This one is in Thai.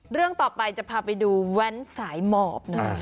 เรื่องต่อไปจะพาไปดูแว้นสายหมอบหน่อย